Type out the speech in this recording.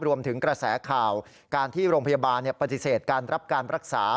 รวมถึงกระแสข่าวการที่โรงพยาบาลปฏิเสธการรับการรักษา